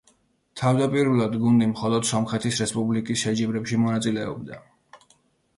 თავდაპირველად გუნდი მხოლოდ სომხეთის რესპუბლიკის შეჯიბრებში მონაწილეობდა.